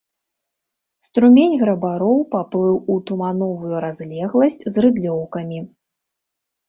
Струмень грабароў паплыў у тумановую разлегласць з рыдлёўкамі.